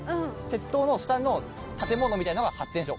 鉄塔の下の建物みたいなのが発電所。